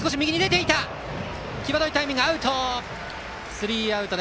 スリーアウト。